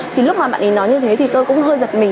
thì lúc mà bạn ấy nói như thế thì tôi cũng hơi giật mình